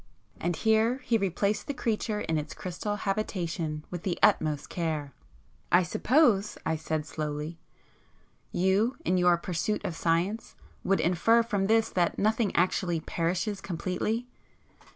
And here he replaced the creature in its crystal habitation with the utmost care. "I suppose"—I said slowly, "you, in your pursuit of science, would infer from this that nothing actually perishes completely?"